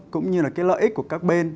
cũng như lợi ích của các bên